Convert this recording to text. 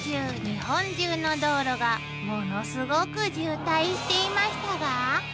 「日本中の道路がものすごく渋滞していましたが」